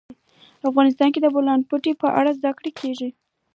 افغانستان کې د د بولان پټي په اړه زده کړه کېږي.